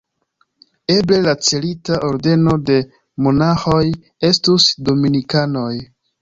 Eble la celita ordeno de monaĥoj estus dominikanoj.